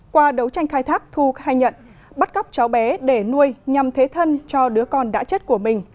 qua đấu tranh khai thác thu khai nhận bắt cóc cháu bé để nuôi nhằm thế thân cho đứa con đã chết của mình